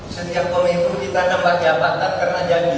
setiap pemenuh kita nambah jabatan karena jadi